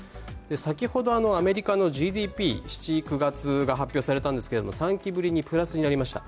先ほどアメリカのＧＤＰ、７−９月が発表されたんですが３期ぶりにプラスになりました。